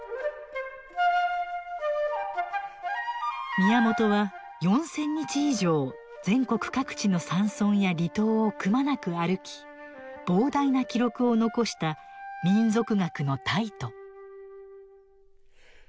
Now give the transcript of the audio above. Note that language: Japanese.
宮本は４，０００日以上全国各地の山村や離島をくまなく歩き膨大な記録を残した民俗学の泰斗。